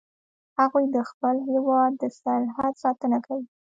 هغوی د خپل هیواد د سرحد ساتنه کوي